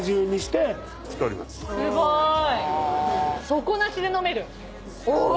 すごーい！